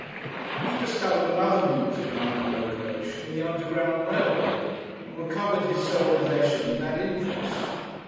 He discovered another means of London locomotion in the Underground Railway, and recovered his self possession in that interest.